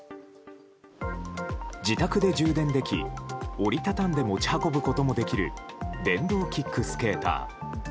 自宅で充電でき折り畳んで持ち運ぶこともできる電動キックスケーター。